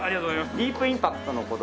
ディープインパクトの子供。